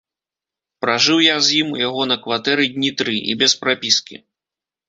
Пражыў я з ім, у яго на кватэры, дні тры, і без прапіскі.